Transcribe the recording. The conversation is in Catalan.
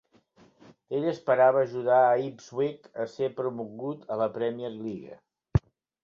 Ell esperava ajudar a Ipswich a ser promogut a la Premier League.